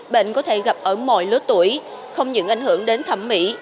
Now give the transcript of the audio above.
bệnh có thể gặp ở mọi lứa tuổi không những ảnh hưởng đến thẩm mỹ